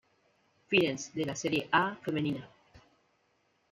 Firenze de la Serie A femenina.